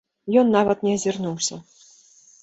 Ён нават не азірнуўся.